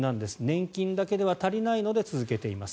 年金だけでは足りないので続けています。